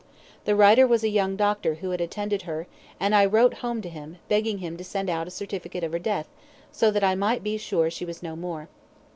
The writer was a young doctor who had attended her, and I wrote home to him, begging him to send out a certificate of her death, so that I might be sure she was no more.